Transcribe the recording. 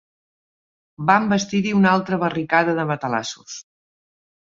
Van bastir-hi una altra barricada de matalassos